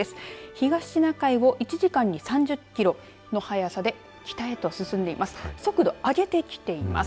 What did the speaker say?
東シナ海を１時間に３０キロの速さで北へと進んでいます。